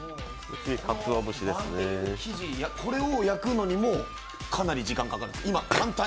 これを焼くのにもかなり時間がかかるんです。